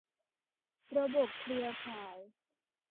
ระบบเครือข่าย